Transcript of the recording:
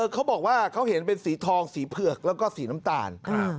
เขาบอกว่าเขาเห็นเป็นสีทองสีเผือกแล้วก็สีน้ำตาล